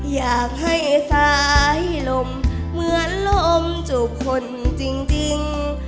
อยากให้สายลมเหมือนลมจูบคนจริง